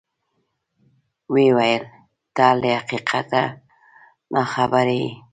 ویې ویل: ته له حقیقته ناخبره یې.